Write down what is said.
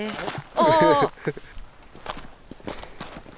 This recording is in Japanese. あっ！